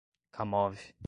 Kamov